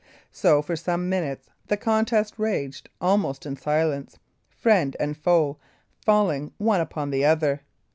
So for some minutes the contest raged almost in silence, friend and foe falling one upon another.